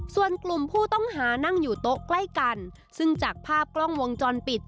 ส่วนกลุ่มผู้ต้องหานั่งอยู่โต๊ะใกล้กันซึ่งจากภาพกล้องวงจรปิด